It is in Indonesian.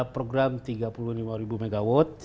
program tiga puluh lima ribu megawatt